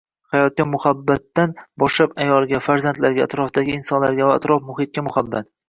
Hayotga muhabbatdan boshlab ayolga, farzandlarga, atrofdagi insonlarga va atrof-muhitga muhabbat.